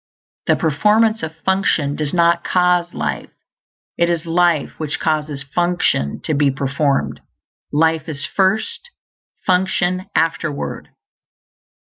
The performance of function does not cause life; it is life which causes function to be performed. Life is first; function afterward.